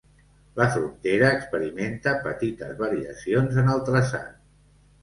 La frontera experimenta petites variacions en el traçat.